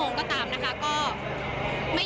ตอนนี้เป็นครั้งหนึ่งครั้งหนึ่ง